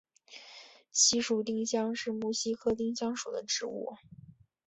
西蜀丁香是木犀科丁香属的植物。